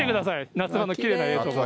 夏場のきれいな映像。